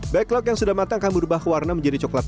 backlog yang sudah matang akan berubah warna menjadi coklat